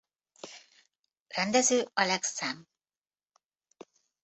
Rendező Alex Zamm.